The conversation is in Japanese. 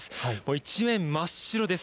一面、真っ白です。